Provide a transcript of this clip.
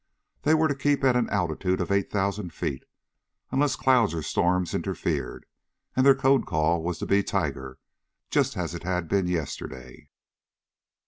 They were to keep at an altitude of eight thousand feet, unless clouds or storms interfered, and their code call was to be Tiger, just as it had been yesterday.